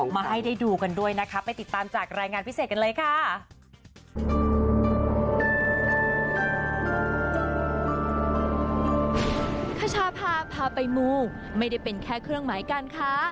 มาให้ได้ดูกันด้วยนะครับไปติดตามจากรายงานพิเศษกันเลยค่ะ